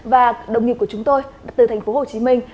và đồng nghiệp của chúng tôi từ thành phố hồ chí minh